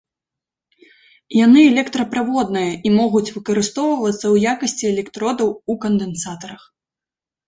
Яны электраправодныя і могуць выкарыстоўвацца ў якасці электродаў ў кандэнсатарах.